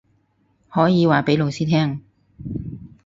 可以話畀老師聽